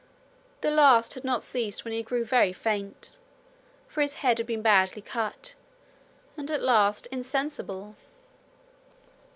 The last had not ceased when he grew very faint, for his head had been badly cut, and at last insensible.